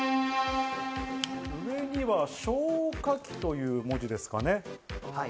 上は「消火器」という文字ですね。